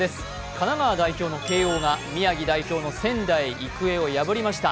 神奈川代表の慶応が宮城代表の仙台育英を破りました。